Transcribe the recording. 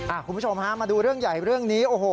คุณผู้ชมฮะมาดูเรื่องใหญ่เรื่องนี้โอ้โห